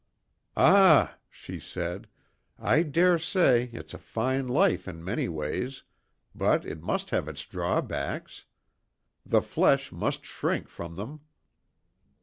"Ah!" she said, "I dare say it's a fine life in many ways, but it must have its drawbacks. The flesh must shrink from them."